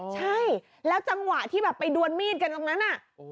ใช่แล้วจังหวะที่แบบไปดวนมีดกันตรงนั้นน่ะ